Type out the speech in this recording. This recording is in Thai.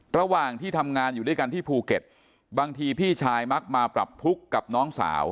ระหว่างที่ทำงานอยู่ด้วยกันที่ภูเก็ตบางทีพี่ชายมักมาปรับทุกข์กับน้องสาว